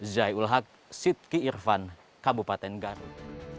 zai ul haq sidki irfan kabupaten garut